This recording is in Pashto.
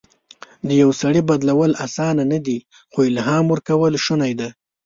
د یو سړي بدلول اسانه نه دي، خو الهام ورکول شونی ده.